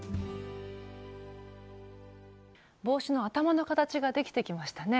帽子の頭の形が出来てきましたね。